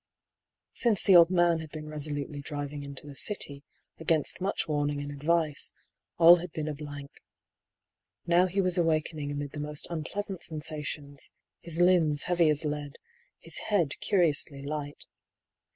Since the old man had been resolutely driving into the City, against much warning and advice, all had been a blank. Now he was awakening amid the most un pleasant sensations : his limbs heavy as lead, his head curiously light.